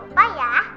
mama jangan lupa ya